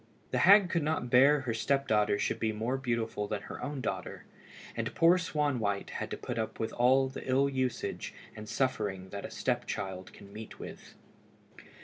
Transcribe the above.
The hag could not bear her step daughter should be more beautiful than her own daughter, and poor Swanwhite had to put up with all the ill usage and suffering that a step child can meet with.